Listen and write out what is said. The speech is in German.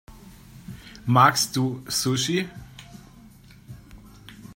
Magst du Sushi?